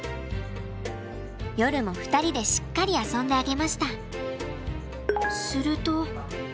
夜も２人でしっかり遊んであげました。